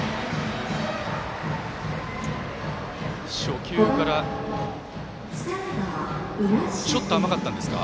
初球からちょっと甘かったんですか。